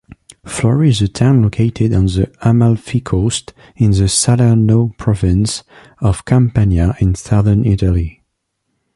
Flori is a town located on the Amalfi Coast in the Salerno Province of Campania in southern Italy.